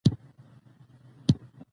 عطايي د پښتو د نوې دور شاعر و.